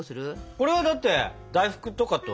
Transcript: これはだって大福とかと。